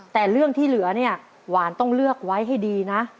แต่เรื่องที่เหลือเนี่ยหวานต้องเลือกไว้ให้ดีนะ